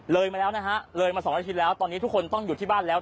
เลยมาแล้วนะฮะเลยมา๒อาทิตย์แล้วตอนนี้ทุกคนต้องหยุดที่บ้านแล้ว